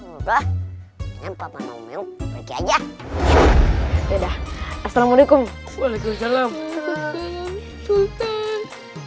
udah nampak mau nongok aja udah assalamualaikum waalaikumsalam sultan